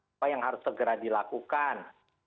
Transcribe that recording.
apa yang harus segera dilakukan